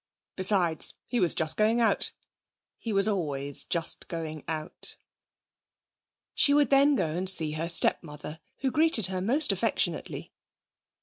Besides, he was just going out; he was always just going out. She would then go and see her stepmother, who greeted her most affectionately.